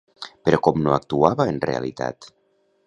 Però com no actuava en realitat?